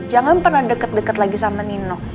jangan pernah deket deket lagi sama nino